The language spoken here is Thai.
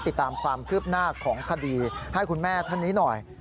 ติดตามความคืบหน้าของคดีให้คุณแม่ท่านนี้หน่อย